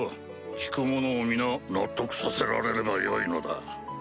聞く者を皆納得させられればよいのだ。